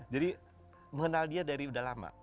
jadi mengenal dia dari udah lama